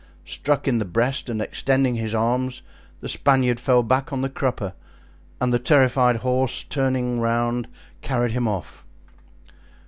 Struck in the breast and extending his arms, the Spaniard fell back on the crupper, and the terrified horse, turning around, carried him off.